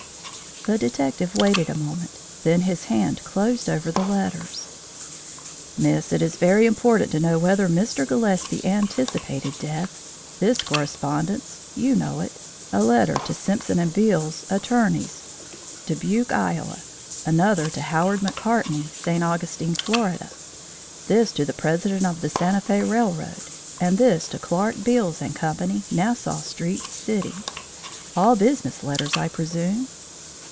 The detective waited a moment, then his hand closed over the letters. "Miss, it is very important to know whether Mr. Gillespie anticipated death. This correspondence you know it a letter to Simpson & Beals, Attorneys, Dubuque, Iowa; another to Howard MacCartney, St. Augustine, Florida; this to the president of the Santa Fé Railroad; and this to Clarke, Beales & Co., Nassau Street, City. All business letters, I presume?"